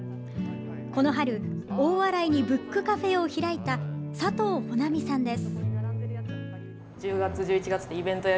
この春大洗にブックカフェを開いた佐藤穂奈美さんです。